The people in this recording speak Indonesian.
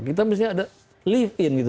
kita misalnya ada lift in gitu